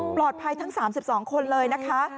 ปลอดภัยทั้ง๓๒คนเลยนะคะ